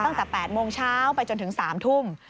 ตั้งแต่๘โมงเช้าไปจนถึง๓ทุ่ม